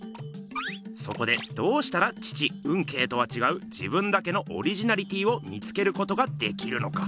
そこでどうしたら父運慶とはちがう自分だけのオリジナリティーを見つけることができるのか。